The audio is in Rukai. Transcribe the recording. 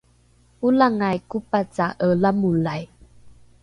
olangai kopaca’e lamolai